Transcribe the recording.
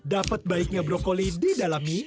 dapat baiknya brokoli di dalam mie